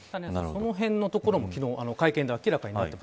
そのへんのところも昨日の会見で明らかになった。